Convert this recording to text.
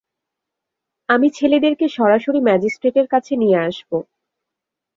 আমি ছেলেদেরকে সরাসরি ম্যাজিস্ট্রেটের কাছে নিয়ে আসব।